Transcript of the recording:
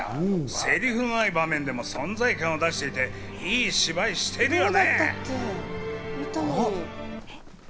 セリフのない場面でも存在感を出していて、いい芝居してるよね。